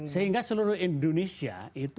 sehingga seluruh indonesia